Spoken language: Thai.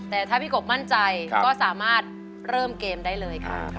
แต่ถ้าพี่กบมั่นใจก็สามารถเริ่มเกมได้เลยค่ะ